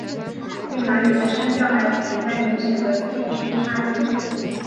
越南语的声调还存在明显的地区差异。